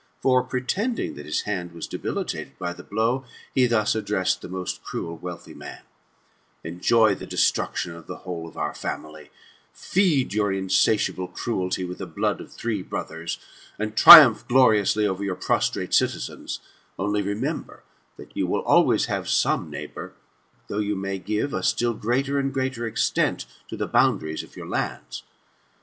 For, pretending that his hand was debilitated by the blow, he thus addressed the most cruel* wealthy man :'* Enjoy the destruction of the whole xsi our £imily, feed your insatiable cruelty with the blood of three brothers, and yriumph gloriously over your prostrate citizens ; only remember, that you will always have some neighbour, though you may give a still greater and greater extent to the boundaries of your lands.